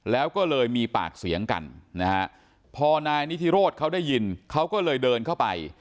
แล้วก็เลยมีปากเสียงกันนะฮะพอนายนิทิโรธเขาได้ยินเขาก็เลยเดินเข้าไป